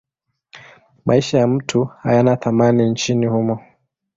Maisha ya mtu hayana thamani nchini humo.